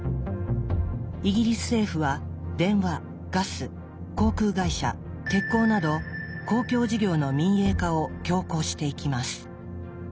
イギリス政府は電話ガス航空会社鉄鋼など公共事業の民営化を強行していきます。